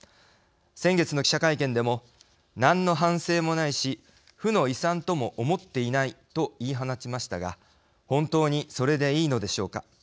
先月の記者会見でも何の反省もないし負の遺産とも思っていないと言い放ちましたが本当に、それでいいのでしょうか。